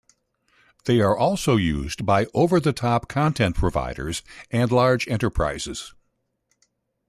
They are also used by Over-the-top content providers and large enterprises.